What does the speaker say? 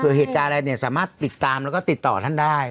เหตุการณ์อะไรเนี่ยสามารถติดตามแล้วก็ติดต่อท่านได้